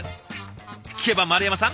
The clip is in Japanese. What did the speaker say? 聞けば丸山さん